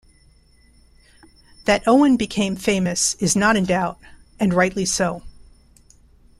That Owen became famous is not in doubt - and rightly so.